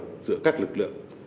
phối kết hợp giữa các lực lượng